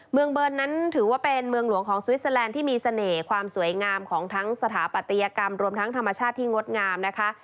เมืองเบิร์นนั้นถือว่าเป็นเมืองหลวงของสวิสเตอร์แลนด์ที่มีเสน่ห์ความสวยงามของทั้งสถาปัตยกรรมรวมทั้งธรรมชาติที่งดงามนะคะ